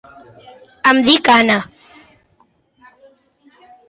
Em dic Anna.